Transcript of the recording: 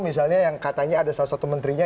misalnya yang katanya ada salah satu menterinya